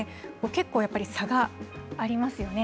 結構、やっぱり差がありますよね。